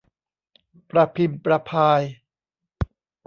ประพิมพ์ประพาย